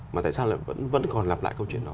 mà tại sao lại vẫn còn lặp lại câu chuyện đó